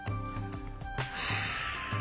はあ。